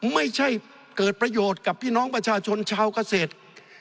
ไม่ใช่เกิดประโยชน์กับพี่น้องประชาชนชาวเกษตร